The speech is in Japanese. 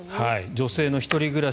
女性の１人暮らし